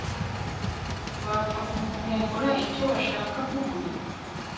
wapfa kuvumbura icyo bashaka kuvuga